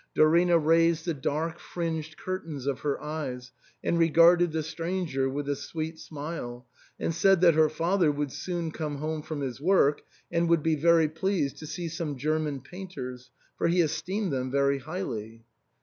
Dorina raised the " dark fringed curtains of her eyes " and regarded the stranger with a sweet smile, and said that her father would soon come home from his work, and would be very pleased to see some German painters, for he es teemed them very highly.